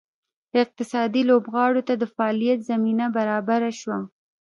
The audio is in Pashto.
اقتصادي لوبغاړو ته د فعالیت زمینه برابره شوه.